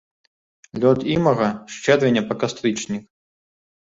Лёт імага з чэрвеня па кастрычнік.